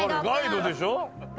ガイドでしょ？